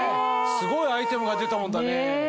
すごいアイテムが出たもんだね。